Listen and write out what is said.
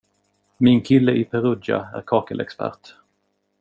Min kille i Perugia är kakelexpert.